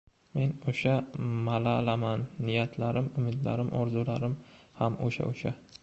Men o‘sha Malalaman, niyatlarim, umidlarim, orzularim ham o‘sha-o‘sha.